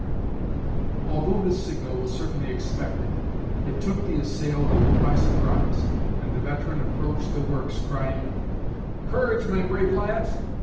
Although this signal was certainly expected, it took the assailed a little by surprise, and the veteran approached the works, crying, "Courage, my brave lads!